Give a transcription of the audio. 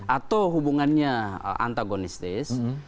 atau hubungannya antagonistis